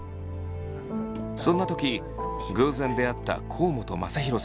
そんな時偶然出会った甲本雅裕さん